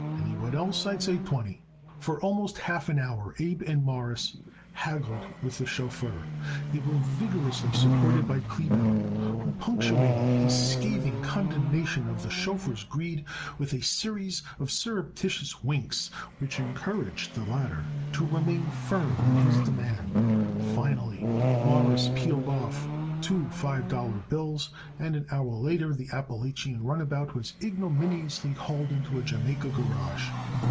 Anyone else I'd say twenty." For almost half an hour Abe and Morris haggled with the chauffeur. They were vigorously supported by Kleebaum, who punctuated his scathing condemnation of the chauffeur's greed with a series of surreptitious winks which encouraged the latter to remain firm in his demand. Finally Morris peeled off two five dollar bills and an hour later the Appalachian runabout was ignominiously hauled into a Jamaica garage.